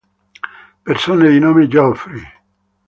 Persone di nome Geoffrey